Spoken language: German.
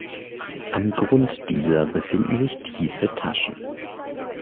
Am Grund dieser befinden sich tiefe Taschen.